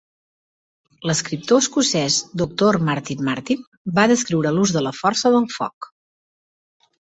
L'escriptor escocès Doctor Martin Martin va descriure l'ús de la força del foc.